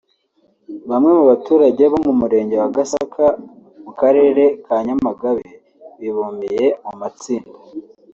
Bamwe mu baturage bo mu Murenge wa Gasaka mu Karere ka Nyamagabe bibumbiye mu matsinda